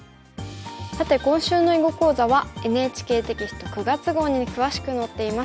さて今週の囲碁講座はＮＨＫテキスト９月号に詳しく載っています。